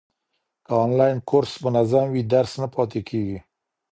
که انلاین کورس منظم وي، درس نه پاته کېږي.